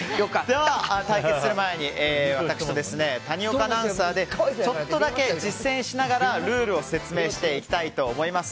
では、対決する前に私と谷岡アナウンサーでちょっとだけ実践しながらルールを説明していきたいと思います。